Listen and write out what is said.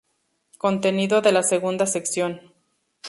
Contenido de la segunda sección.